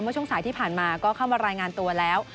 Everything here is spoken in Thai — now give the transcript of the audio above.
ช่วงสายที่ผ่านมาก็เข้ามารายงานตัวแล้ว